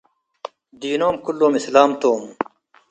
ዲኖም ክሎም እስላም ቶም ።